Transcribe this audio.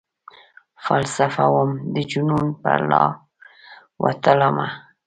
فلسفه وم ،دجنون پرلاروتلمه